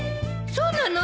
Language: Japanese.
そうなの？